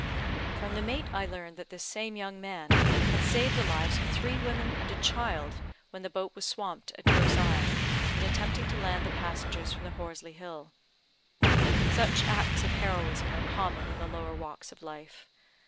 From the mate I learned that this same young man had saved the lives of three women and a child when the boat was swamped at Grosse Isle, in attempting to land the passengers from the Horsley Hill. Such acts of heroism are common in the lower walks of life.